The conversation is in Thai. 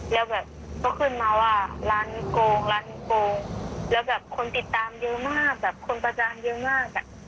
แล้วแบบก็ขึ้นมาว่าร้านโกงร้านโกงแล้วแบบคนติดตามเยอะมากแบบคนประจานเยอะมากอ่ะ